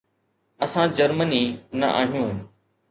اسان جرمني نه آهيون.